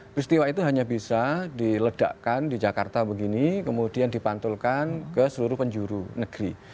peristiwa itu hanya bisa diledakkan di jakarta begini kemudian dipantulkan ke seluruh penjuru negeri